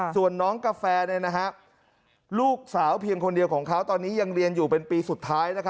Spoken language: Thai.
ส่วนน้องกาแฟลูกสาวเพียงคนเดียวของเขาตอนนี้ยังเรียนอยู่เป็นปีสุดท้าย